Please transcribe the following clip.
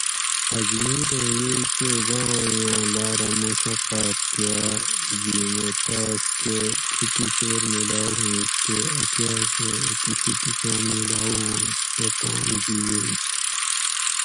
اجمیریں یئی چو گاونڑیاۤں لاۤرہ مشقاۤت کاۤ جِھیمہ تاۤس کہ دو ٹِسیر میلاؤ ہوئنش تے ا کاۤس مئی اتوشی ٹُوکاۤن میلاؤ ہوانش سہ تام گھی یینش